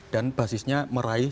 dan basisnya meraih